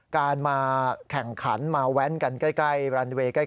การมาแข่งขันมาแว้นกันใกล้รันเวย์ใกล้